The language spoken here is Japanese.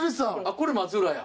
これ松浦や。